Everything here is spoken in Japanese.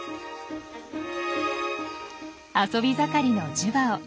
遊び盛りのジュバオ。